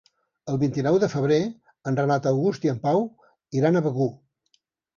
El vint-i-nou de febrer en Renat August i en Pau iran a Begur.